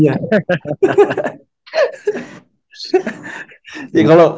nah kan dari anda